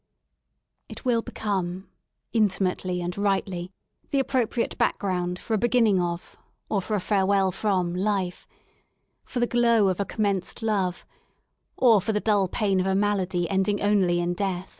It will become, intimately and rightly, the appropriate background for a beginning of, or for a farewell from life — for the glow of a commenced love or for the dull pain of a malady ending only in death.